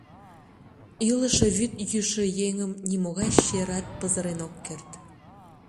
Илыше вӱд йӱшӧ еҥым нимогай черат пызырен ок керт.